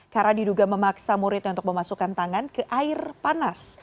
karena diduga memaksa muridnya untuk memasukkan tangan ke air panas